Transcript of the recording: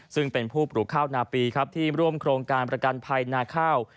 ซึ่งเป็นผู้ปลูกข้าวนาปีครับที่ร่วมโครงการประกันภัยนาข้าว